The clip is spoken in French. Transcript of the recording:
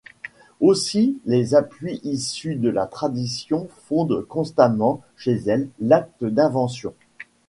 Aussi les appuis issus de la tradition fondent constamment chez elle l’acte d’invention.